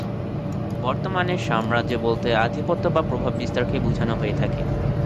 বর্তমানে সাম্রাজ্য বলতে আধিপত্য বা প্রভাব বিস্তারকে বুঝানো হয়ে থাকে।